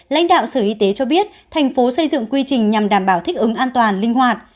lãnh đạo sở y tế cho biết thành phố xây dựng quy trình nhằm đảm bảo thích ứng an toàn linh hoạt